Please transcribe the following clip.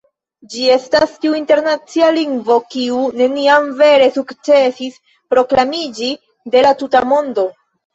Ĝi estas tiu internacia lingvo, kiu neniam vere sukcesis proklamiĝi de la tuta mondo.